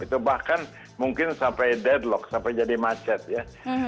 itu bahkan mungkin sampai deadlock sampai jadi macet ya